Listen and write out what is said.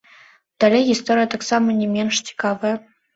Далей гісторыя таксама не менш цікавая.